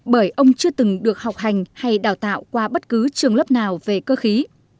bởi ông chưa từng được học hành hay đào tạo qua bất cứ trường lớp nào về cơ khí